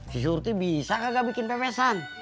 si surti bisa kagak bikin pepesan